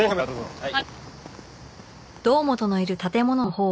はい。